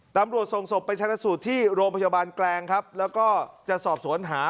ตำรวจส่งศพไปชนะสูตรที่โรงพยาบาลแกลงครับแล้วก็จะสอบสวนหา